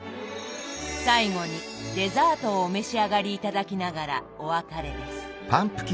最後にデザートをお召し上がり頂きながらお別れです。